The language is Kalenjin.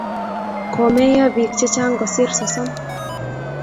Komeiyo biik chechang kosir sosom